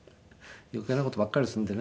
余計な事ばっかりするんでね